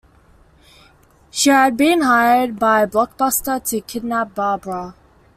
She had been hired by Blockbuster to kidnap Barbara.